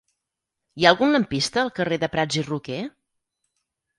Hi ha algun lampista al carrer de Prats i Roquer?